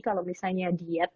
kalau misalnya diet